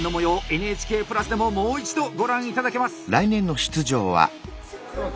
ＮＨＫプラスでももう一度ご覧頂けます。